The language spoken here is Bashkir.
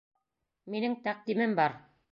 Минең тәҡдимем бар.